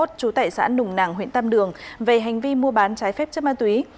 trú tại xã nùng nàng huyện tam đường về hành vi mua bán trái phép chất ma túy